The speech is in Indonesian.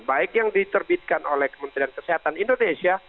baik yang diterbitkan oleh kementerian kesehatan indonesia